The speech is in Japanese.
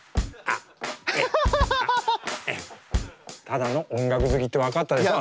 ただの音楽好きって分かったでしょ。